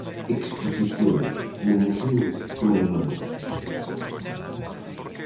Exposición no museo do alemán.